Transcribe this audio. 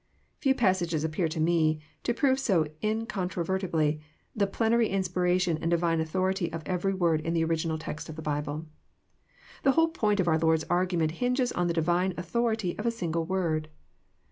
Few passages appear to me to prove so incontrovertibly the plenary inspiration and divine authority of every word in the original text of the Bible. The whole point of our Lord*s argu ment hinges on the divine authority of a single word.